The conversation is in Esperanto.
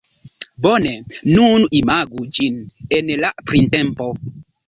Bone, nun imagu ĝin en la printempo.